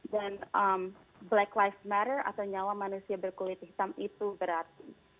dan black lives matter atau nyawa manusia berkulit hitam itu berarti